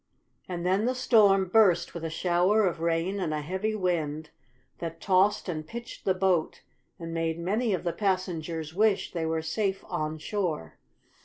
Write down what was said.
And then the storm burst with a shower of rain and a heavy wind that tossed and pitched the boat, and made many of the passengers wish they were safe on shore.